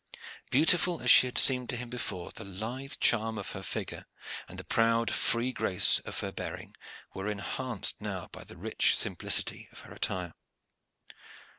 Beautiful as she had seemed to him before, the lithe charm of her figure and the proud, free grace of her bearing were enhanced now by the rich simplicity of her attire.